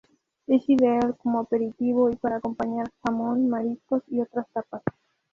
Es ideal como aperitivo y para acompañar jamón, mariscos y otras tapas.